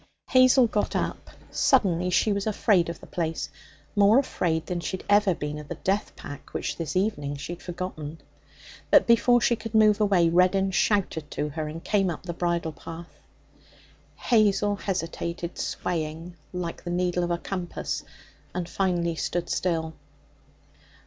Hazel got up. Suddenly she was afraid of the place, more afraid than she had ever been of the death pack, which, this evening, she had forgotten. But before she could move away Reddin shouted to her and came up the bridle path. Hazel hesitated, swayed like the needle of a compass, and finally stood still.